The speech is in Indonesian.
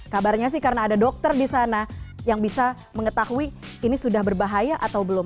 kabarnya sih karena ada dokter di sana yang bisa mengetahui ini sudah berbahaya atau belum